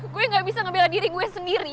gue gak bisa ngebela diri gue sendiri